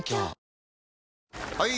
・はい！